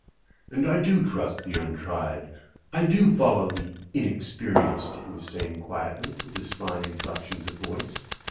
"And I do trust the untried; I do follow the inex perienced," he was sa)ring quietly, with his fine inflec tions of voice.